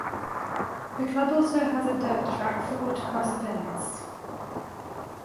The club also has a dirt track for autocross events.